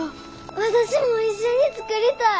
私も一緒に作りたい！